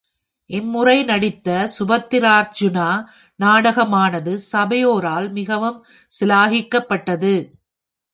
இம் முறை நடித்த சுபத்திரார்ஜுனா நாடகமானது சபையோரால் மிகவும் சிலாகிக்கப்பட்டது.